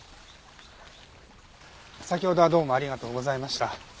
先ほどはどうもありがとうございました。